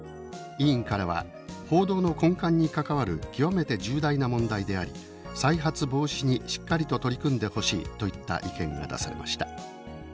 委員からは「報道の根幹に関わる極めて重大な問題であり再発防止にしっかりと取り組んでほしい」といった意見が出されました。